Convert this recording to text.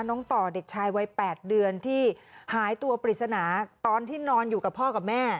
ต่อเด็กชายวัย๘เดือนที่หายตัวปริศนาตอนที่นอนอยู่กับพ่อกับแม่